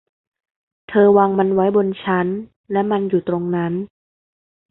เธอวางมันไว้บนชั้นและมันอยู่ตรงนั้น